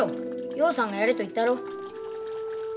陽さんがやれと言ったろ。